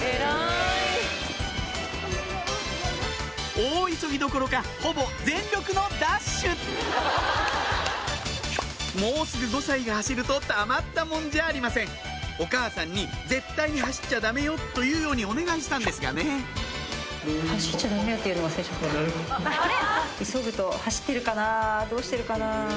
大急ぎどころかほぼ全力のダッシュもうすぐ５歳が走るとたまったもんじゃありませんお母さんに「絶対に走っちゃダメよ」と言うようにお願いしたんですがねどうしてるかな。